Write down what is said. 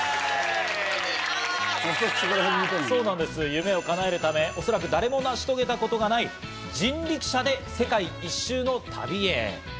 夢を叶えるため、おそらく誰も成し遂げたことがない人力車で世界一周の旅へ。